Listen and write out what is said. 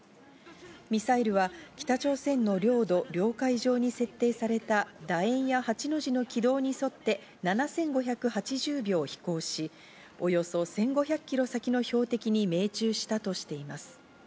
ミサイルは北朝鮮の領土・領海上に設定された楕円や８の字の軌道に沿って７５８０秒飛行し、およそ１５００ｋｍ先の標的に命中したとしています。